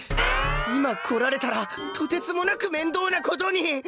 今来られたらとてつもなく面倒な事に！